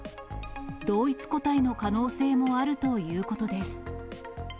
同一個体の可能性もあるということです。